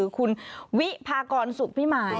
คุณวิภากรสุขพี่หมาย